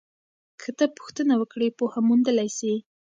که ته پوښتنه وکړې پوهه موندلی سې.